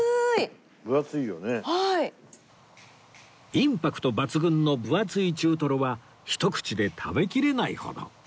インパクト抜群の分厚い中トロはひと口で食べきれないほど